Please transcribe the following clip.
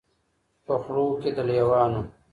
په خولو کي د لېوانو